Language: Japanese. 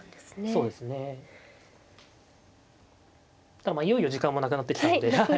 ただまあいよいよ時間もなくなってきたんで。